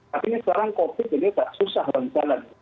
tapi ini sekarang covid jadi tak susah bagi saya lagi